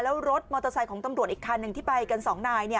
แล้วรถมอเตอร์ไซค์ของตำรวจอีกคันหนึ่งที่ไปกันสองนาย